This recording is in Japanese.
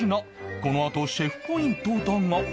このあとシェフポイントだが